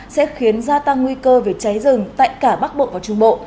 sẽ khiến gia tăng nguy cơ về cháy rừng tại cả bắc bộ và trung bộ